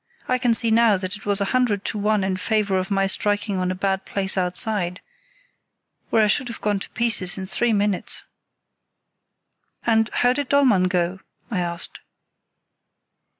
I can see now that it was a hundred to one in favour of my striking on a bad place outside, where I should have gone to pieces in three minutes." "And how did Dollmann go?" I asked.